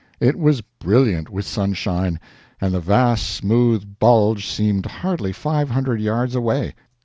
It was brilliant with sunshine, and the vast smooth bulge seemed hardly five hundred yards away.